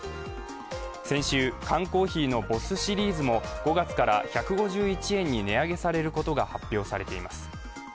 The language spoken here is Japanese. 先週、缶コーヒーのＢＯＳＳシリーズも５月から１５１円に値上げされることが発表されています。